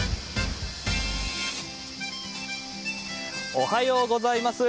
おはようございます。